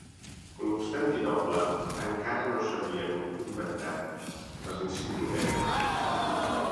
Constantinoble encara no s'havien inventat, les enciclopèdies!